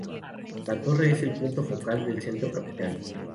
La torre es el punto focal del centro capital.